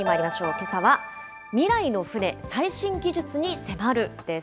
けさは、未来の船、最新技術に迫るです。